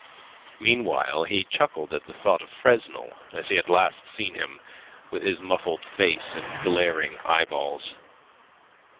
Meanwhile he chuckled at the thought of Fresnel as he had last seen him, with his muffled face and glaring eyeballs.